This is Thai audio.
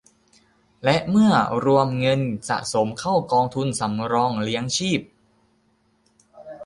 และเมื่อรวมกับเงินสะสมเข้ากองทุนสำรองเลี้ยงชีพ